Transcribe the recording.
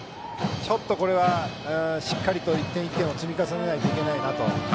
これはしっかりと１点１点を積み重ねないといけないなと。